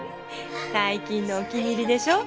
最近のお気に入りでしょ